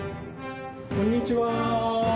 こんにちは。